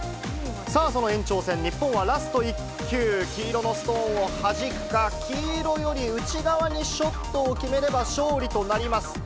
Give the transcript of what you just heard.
さあ、その延長戦、日本はラスト１球、黄色のストーンをはじくか、黄色より内側にショットを決めれば勝利となります。